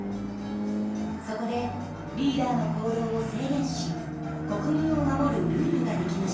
そこでリーダーの行動を制限し国民を守るルールができました。